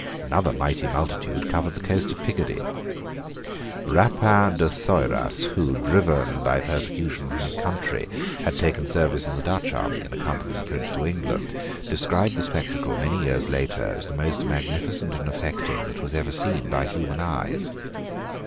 Another mighty multitude covered the coast of Picardy. Rapin de Thoyras, who, driven by persecution from his country, had taken service in the Dutch army and accompanied the Prince to England, described the spectacle, many years later, as the most magnificent and affecting that was ever seen by human eyes.